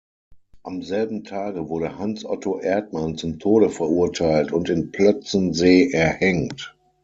Am selben Tage wurde Hans Otto Erdmann zum Tode verurteilt und in Plötzensee erhängt.